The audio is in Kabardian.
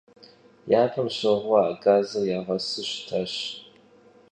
Yapem şığue a gazır yağesu şıtaş.